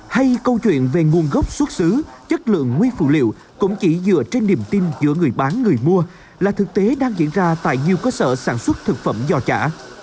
hay câu chuyện về nguồn gốc xuất xứ chất lượng nguyên phụ liệu cũng chỉ dựa trên niềm tin giữa người bán người mua là thực tế đang diễn ra tại nhiều cơ sở sản xuất thực phẩm giò chả